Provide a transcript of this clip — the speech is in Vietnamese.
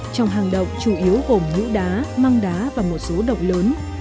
trong hang động chủ yếu gồm ngũ đá măng đá và một số độc lớn